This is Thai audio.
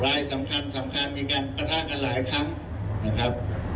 รายสำคัญสำคัญมีการปะทะกันหลายครั้งนะครับ